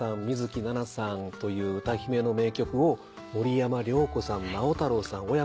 水樹奈々さんという歌姫の名曲を森山良子さん直太朗さん